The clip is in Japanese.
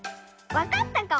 わかったかも？